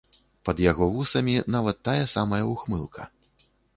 Пад яго вусамі нават тая самая ўхмылка.